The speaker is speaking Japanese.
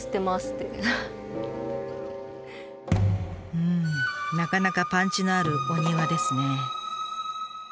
うんなかなかパンチのあるお庭ですね。